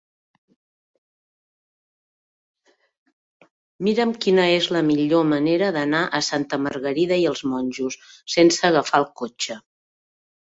Mira'm quina és la millor manera d'anar a Santa Margarida i els Monjos sense agafar el cotxe.